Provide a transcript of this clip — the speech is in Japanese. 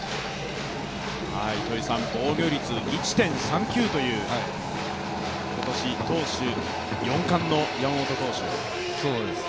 防御率１．３９という今年、投手４冠の山本投手。